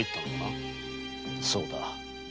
そうだ。